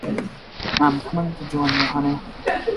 I'm comin' to join ya, honey!